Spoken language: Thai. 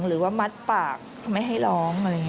หรือว่ามัดปากไม่ให้ร้องอะไรอย่างนี้